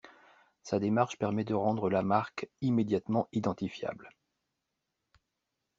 Sa démarche permet de rendre la marque immédiatement identifiable.